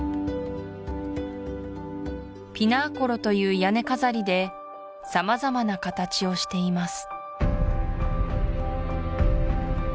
ピナーコロという屋根飾りで様々な形をしています